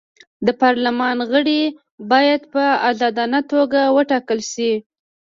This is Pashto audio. د پارلمان غړي باید په ازادانه توګه وټاکل شي.